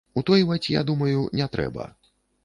Утойваць, я думаю, не трэба.